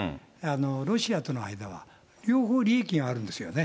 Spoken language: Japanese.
ロシアとの間は、両方利益があるんですよね。